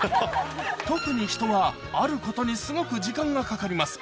特にヒトはあることにすごく時間がかかります